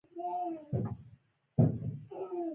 خو هغوی ته مه وایه .